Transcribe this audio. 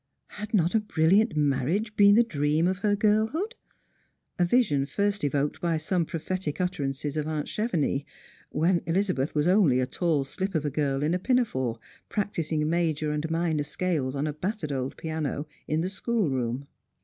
Had not a brilliant marriage been the dream of her girlhood ? a vision first evoked by some prophetic iitterances of aunt Chevenix, when Elizabeth was only a tall slip of a girl in a pinafore practising major and minor scales on a battered old piano in the school room.